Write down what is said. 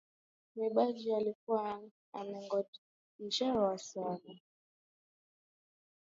Mwimbaji alikuwa amengojewa sana.